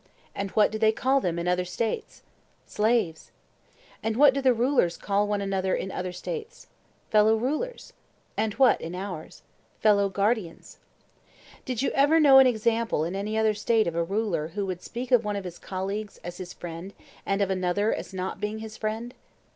And what do they call them in other States? Slaves. And what do the rulers call one another in other States? Fellow rulers. And what in ours? Fellow guardians. Did you ever know an example in any other State of a ruler who would speak of one of his colleagues as his friend and of another as not being his friend?